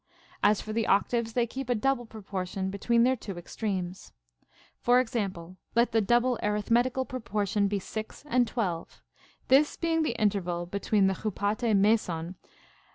As for the octaves, they keep a double proportion between their two extremes. For example, let the double arithmetical proportion be 6 and 12, this being the interval between the νηάτη μ^βων and * Plato, Timaeus, p.